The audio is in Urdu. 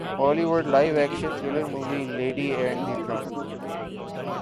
ہالی would live action thriller movie lady and the Trump